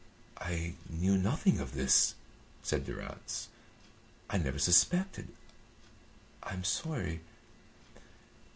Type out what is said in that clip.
"I knew nothing of this," said Durrance. "I never suspected. I am sorry."